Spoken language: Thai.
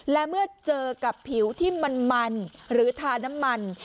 และเมื่อเจอกับผิวที่มันหรือทาน้ำมัน